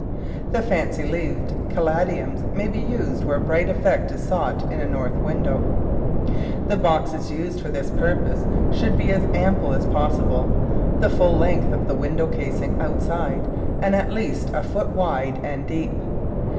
The fancy leaved Caladiums may be used where bright effect is sought in a north window. The boxes used for this purpose should be as ample as possible, the full length of the window cas ing outside and at least a foot wide and deep.